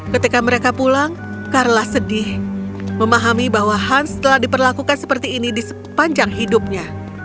ketika mereka pulang carla sedih memahami bahwa hans telah diperlakukan seperti ini di sepanjang hidupnya